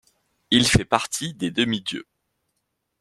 Il fait partie des demi-dieux.